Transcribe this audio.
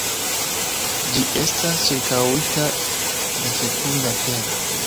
Ĝi estas ĉirkaŭita de fekunda tero.